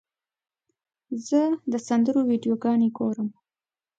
زه د سندرو ویډیوګانې ګورم.